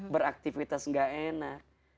beraktifitas gak enak